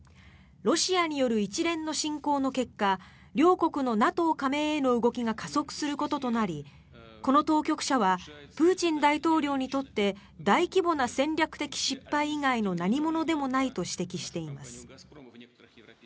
ロシアによる一連の侵攻の結果両国のＮＡＴＯ加盟への動きが加速することとなりこの当局者はプーチン大統領にとって大規模な戦略的失敗以外の何ものでもないと指摘しています。